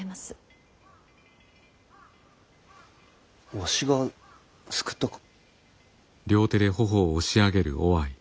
わしが救ったか？